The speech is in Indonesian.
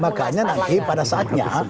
makanya nanti pada saatnya